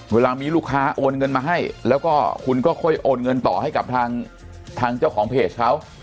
เวลามีลูกค้าโอนเงินมาให้แล้วก็คุณก็ค่อยโอนเงินต่อให้กับทางเจ้าของเพจเขา